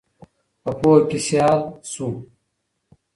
په پوهه کې سيال شو.